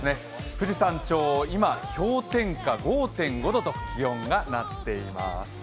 富士山頂、今、氷点下５．５度と気温がなっています。